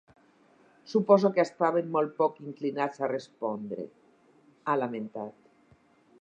Suposo que estaven molt poc inclinats a respondre, ha lamentat.